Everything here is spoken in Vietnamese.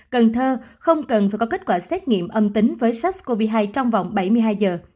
cần thơ không cần phải có kết quả xét nghiệm âm tính với sars cov hai trong vòng bảy mươi hai giờ